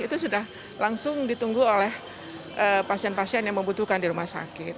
itu sudah langsung ditunggu oleh pasien pasien yang membutuhkan di rumah sakit